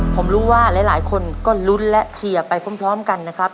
ผมรู้ว่าหลายคนก็ลุ้นและเชียร์ไปพร้อมกันนะครับ